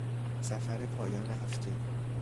سفر پایان هفته